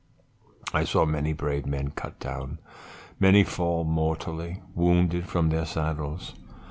I saw many brave men cut down, many fall mortally wounded from their saddles.